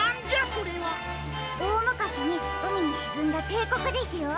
おおむかしにうみにしずんだていこくですよ。